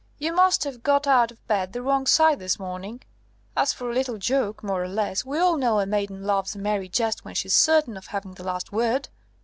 You must have got out of bed the wrong side this morning. As for a little joke, more or less, we all know a maiden loves a merry jest when she's certain of having the last word!